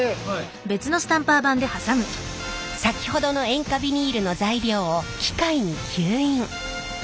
先ほどの塩化ビニールの材料を機械に吸引。